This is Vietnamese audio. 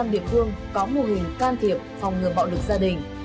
một trăm linh địa phương có mô hình can thiệp phòng ngừa bạo lực gia đình